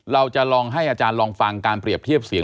เราจะลองให้อาจารย์ลองฟังการเปรียบเทียบเสียง